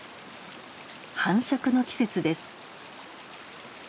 繁殖の季節です。